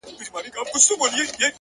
علم د فکر ځواک دی.!